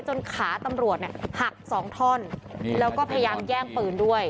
ขาตำรวจเนี่ยหักสองท่อนแล้วก็พยายามแย่งปืนด้วย